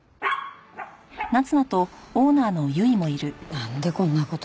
なんでこんな事に。